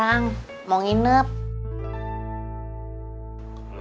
iya mungkin ng usuari tv channel